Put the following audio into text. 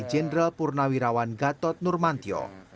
jenderal purnawirawan gatot nurmantio